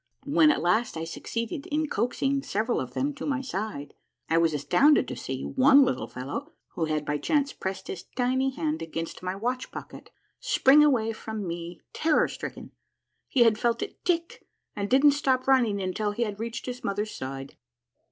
When at last I succeeded in coaxing several of them to my side, I was astounded to see one little fellow who had by chance pressed his tiny hand against my watch pocket spring away from me terror stricken. He had felt it tick and didn't stop running until he had reached his mother's side.